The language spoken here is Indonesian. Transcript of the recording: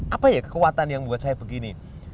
apa ya kekuatan yang buat saya begini